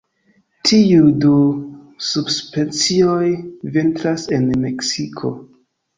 Tiuj du subspecioj vintras en Meksiko.